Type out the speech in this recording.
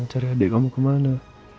cari adik kamu kemana